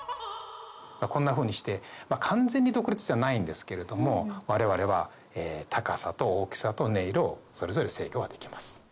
こんなふうにして完全に独立してはないんですけれども我々は高さと大きさと音色をそれぞれ制御はできます。